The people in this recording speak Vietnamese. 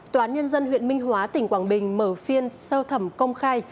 tòa án nhân dân huyện minh hóa tỉnh quảng bình mở phiên sơ thẩm công khai